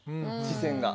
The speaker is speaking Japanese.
視線が。